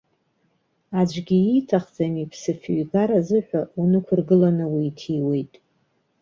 Аӡәгьы ииҭахӡам иԥсы фҩгар азыҳәа унықәыргыланы уиҭиуеит.